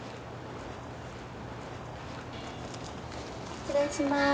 失礼します。